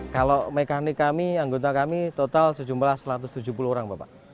kalau mekanik kami anggota kami total sejumlah satu ratus tujuh puluh orang bapak